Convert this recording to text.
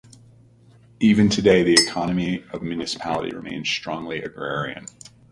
Even today, the economy of municipality remains strongly agrarian.